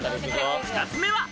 二つ目は。